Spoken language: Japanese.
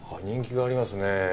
人気がありますね。